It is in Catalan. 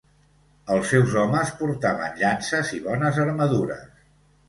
Els seus homes portaven llances i bones armadures.